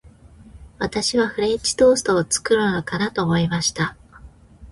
私はフレンチトーストを作るのかなと思いました。